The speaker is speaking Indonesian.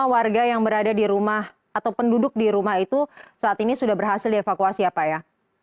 lima warga yang berada di rumah atau penduduk di rumah itu saat ini sudah berhasil dievakuasi ya pak ya